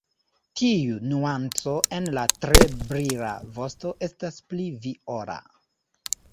Tiu nuanco en la tre brila vosto estas pli viola.